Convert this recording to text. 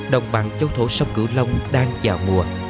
đồng bằng châu thổ sông cửu long đang vào mùa